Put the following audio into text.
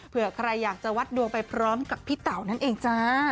เพื่อใครอยากจะวัดดวงไปพร้อมกับพี่เต๋านั่นเองจ้า